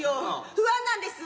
不安なんです。